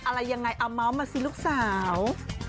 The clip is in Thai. อะไรยังไงเอาเมาส์มาสิลูกสาว